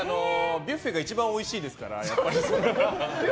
ビュッフェが一番おいしいって。